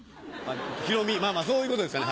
ひろみまぁまぁそういうことですかね。